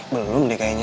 belum deh kayaknya